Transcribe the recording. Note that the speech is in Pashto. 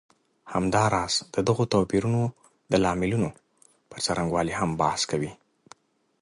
همداراز د دغو توپیرونو د لاملونو پر څرنګوالي هم بحث کوي.